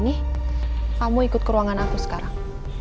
nih kamu ikut ke ruangan aku sekarang